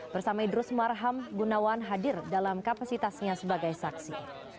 bersama idrus marham gunawan hadir dalam kapasitasnya sebagai saksi